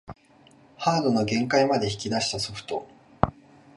ハードの限界まで引き出したソフト